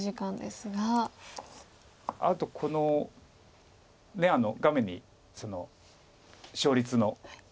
あとこの画面に勝率の。